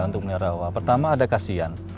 untuk melihat rawa pertama ada kasian